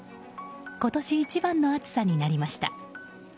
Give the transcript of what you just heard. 今年一番の暑さになりました。